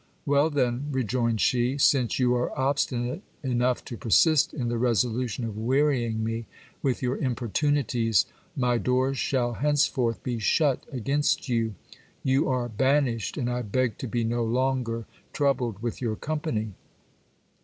Well, then, rejoined she, since you are obstinate enough to persist in the resolution of wearying me with your importunities, my doors shall henceforth be shut against you. You are banished, and I beg to be no longer troubled with your company.